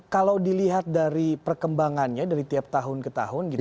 kalau dilihat dari perkembangannya dari tiap tahun ke tahun gitu